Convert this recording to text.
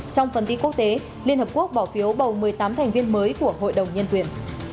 trong phần đi quốc tế liên hợp quốc bỏ phiếu bầu một mươi tám thành viên mới của hội đồng nhân quyền